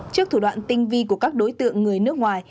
trước thủ đoạn tinh vi của các đối tượng người nước ngoài